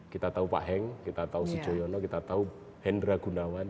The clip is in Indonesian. kita tahu pak heng kita tahu sujoyono kita tahu hendra gunawan